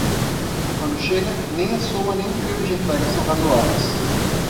Quando chega, nem a soma nem o período de entrega são razoáveis.